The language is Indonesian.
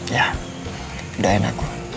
ya doain aku